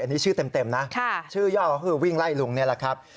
อันนี้ชื่อเต็มนะชื่อย่อก็คือวิ่งไล่ลุงนี่แหละครับ